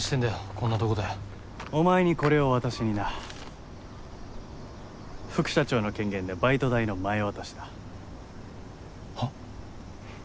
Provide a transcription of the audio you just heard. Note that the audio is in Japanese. こんなとこでお前にこれを渡しにな副社長の権限でバイト代の前渡しだはっ？